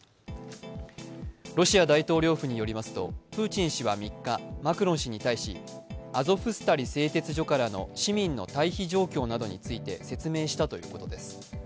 ロシア大統領府によりますと、プーチン氏は３日、マクロン氏に対しアゾフスタリ製鉄所からの市民の退避状況などについて説明したということです。